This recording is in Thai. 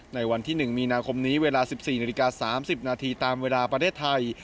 ในวันที่๑มีนาคมนี้เวลา๑๔นาฬิกา๓๐นาทีตามเวลาประเทศไทย